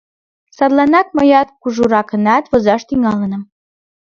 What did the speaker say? Садланак мыят кужуракынак возаш тӱҥалам.